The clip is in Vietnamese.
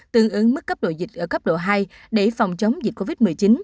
tương ứng mức cấp độ dịch ở cấp độ hai để phòng chống dịch covid một mươi chín